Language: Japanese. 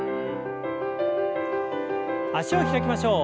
脚を開きましょう。